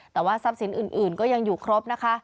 แต่ว่าทรัพย์สินอื่นก็ยังอยู่ครบนะคะ